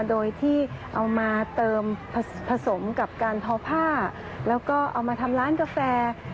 โดยที่เอามาเติมผสมกับการทอผ้าแล้วก็เอามาทำร้านกาแฟ